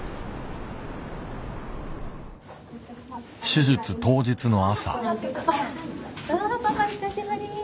手術当日の朝。